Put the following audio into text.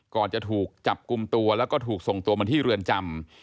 ก่อนจะถูกจับกลุ่มตัวแล้วก็ถูกส่งตัวมาที่เรือนจำ